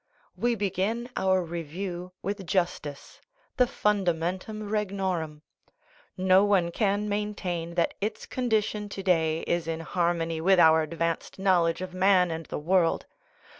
We begin our review with justice, the fundamentum regnorum. No one can maintain that its condition to day is in harmony with our advanced knowledge of man and the world.